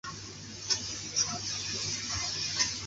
是由日本漫画家猫豆腐创作的同人漫画。